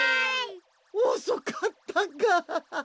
おそかったか！